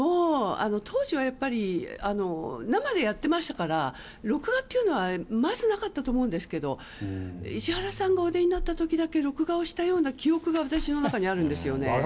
当時は生でやってましたから録画というのはまずなかったと思うんですけど石原さんがお出になった時だけ録画をしたような記憶が私の中にあるんですよね。